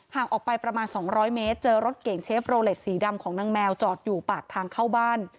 ห่างออกไปประมาณ๒๐๐เมตรเจอรถเก่งเชฟโรเล็ตสีดำของนางแมวจอดอยู่ปากทางเข้าบ้าน